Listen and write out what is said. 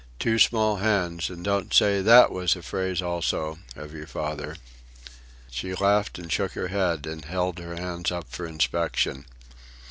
"Two small hands, and don't say that was a phrase, also, of your father." She laughed and shook her head, and held her hands up for inspection.